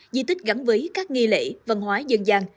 di tích gắn với các nghi lễ văn hóa dân gian